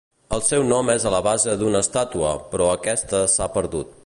El seu nom és a la base d'una estàtua, però aquesta s'ha perdut.